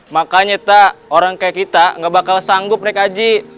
makanya tak orang kayak kita gak bakal sanggup naik haji